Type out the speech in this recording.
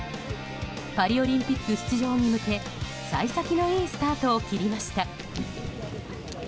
パリオリンピック出場に向け幸先のいいスタートを切りました。